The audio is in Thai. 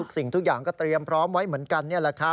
สิ่งทุกอย่างก็เตรียมพร้อมไว้เหมือนกัน